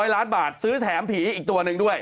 ๐ล้านบาทซื้อแถมผีอีกตัวหนึ่งด้วย